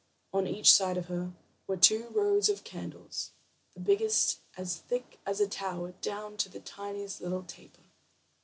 On each side of her were two rows of candles, the biggest as thick as a tower, down to the tiniest little taper.